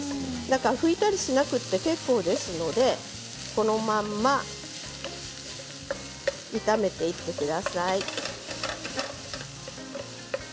だから拭いたりしなくて結構ですのでこのまま炒めていってください。